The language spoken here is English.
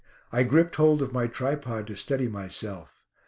I gripped hold of my tripod to steady myself.